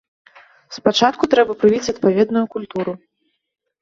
Спачатку трэба прывіць адпаведную культуру.